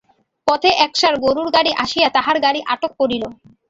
পথে একসার গোরুর গাড়ি আসিয়া তাহার গাড়ি আটক করিল।